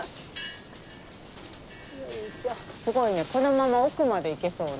すごいねこのまま奥まで行けそうな。